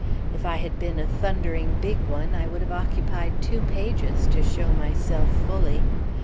If I had been a thundering big one, I would have occupied two pages to show myself fully.